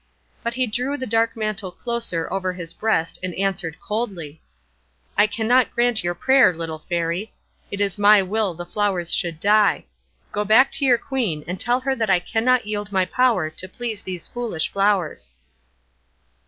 But he drew the dark mantle closer over his breast and answered coldly,— "I cannot grant your prayer, little Fairy; it is my will the flowers should die. Go back to your Queen, and tell her that I cannot yield my power to please these foolish flowers."